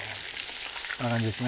こんな感じですね